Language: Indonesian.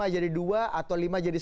lima jadi dua atau lima jadi satu